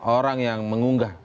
orang yang mengunggah